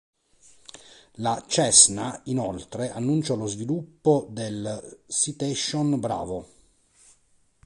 La Cessna inoltre annunciò lo sviluppo del Citation Bravo.